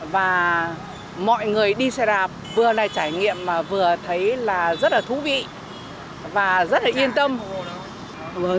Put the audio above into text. và mọi người đi xe đạp vừa là trải nghiệm mà vừa thấy là rất là thú vị và rất là yên tâm